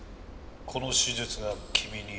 「この手術が君に」